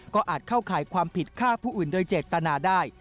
ก็อาจเข้าข่ายความผิดฆ่าผู้อื่นโดยเจตนาได้